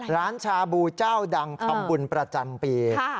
ร้านชาบูเจ้าดังทำบุญประจันทร์ปีค่ะ